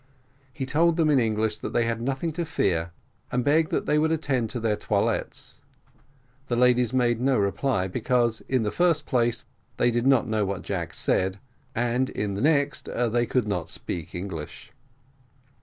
He told them in English that they had nothing to fear, and begged that they would attend to their toilets. The ladies made no reply, because, in the first place, they did not know what Jack said, and in the next, they could not speak English.